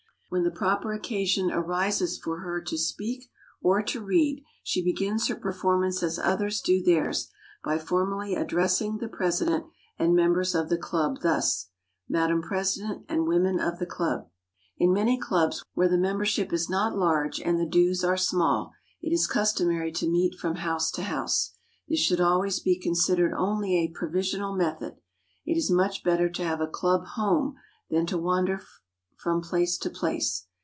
When the proper occasion arises for her to speak or to read, she begins her performance as others do theirs, by formally addressing the president and members of the club thus: "Madam president and women of the club." In many clubs, where the membership is not large and the dues are small, it is customary to meet from house to house. This should always be considered only a provisional method. It is much better to have a club home than to wander about from place to place.